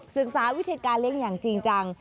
ศึกษาวิธีการเลี้ยงอย่างจริงจัง